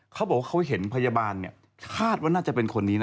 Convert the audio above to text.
เขาบอกว่าเขาเห็นพยาบาลคาดว่าน่าจะเป็นคนนี้นะ